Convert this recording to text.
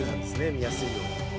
見やすいように。